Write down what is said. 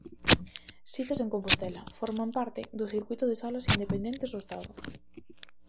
Sitas en Compostela, forman parte do circuíto de salas independentes do estado.